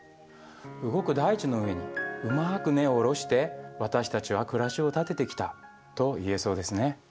動く大地の上にうまく根を下ろして私たちは暮らしを立ててきたと言えそうですね。